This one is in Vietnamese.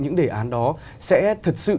những đề án đó sẽ thật sự